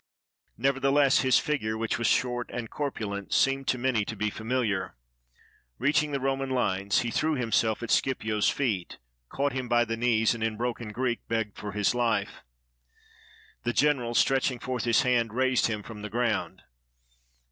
Nevertheless, his figure, which was short and corpulent, seemed to many to be famiHar. Reaching the Roman hnes, he threw himself at Scipio's feet, caught him by the knees, and in broken Greek begged for his life. The general, stretching forth his hand, raised him from the ground.